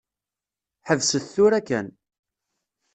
Ḥebset tura kan.